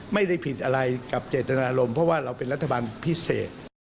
ไม่ได้ผิดอะไรกับเจตนารมณ์เพราะว่าเราเป็นรัฐบาลพิเศษ